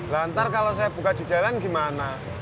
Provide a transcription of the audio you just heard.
lantar kalau saya buka di jalan gimana